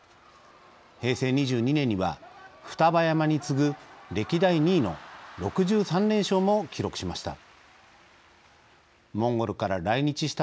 平成２２年には双葉山に次ぐ歴代２位の６３連勝も記録しました。